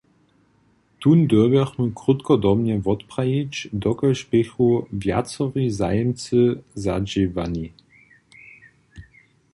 Tón dyrbjachmy krótkodobnje wotprajić, dokelž běchu wjacori zajimcy zadźěwani.